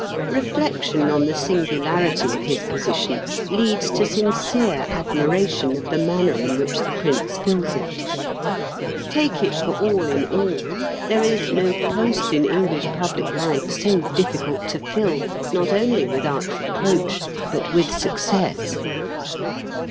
Reflection on the singularity of his position leads to sincere admiration of the manner in which the Prince fills it. Take it for all in all, there is no post in English public life so difficult to fill, not only without reproach, but with success.